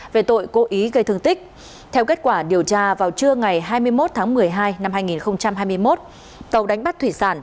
về tội cố ý gây thương tích theo kết quả điều tra vào trưa ngày hai mươi một tháng một mươi hai năm hai nghìn hai mươi một tàu đánh bắt thủy sản